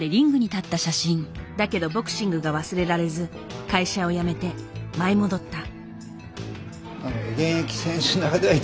だけどボクシングが忘れられず会社を辞めて舞い戻った。